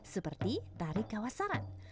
seperti tari kawasaran